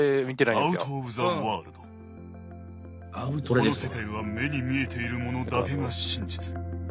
「この世界は“目に見えているモノ”だけが真実」。